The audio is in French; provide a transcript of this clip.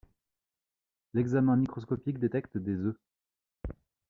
L'examen microscopique détecte des œufs.